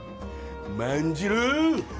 万次郎！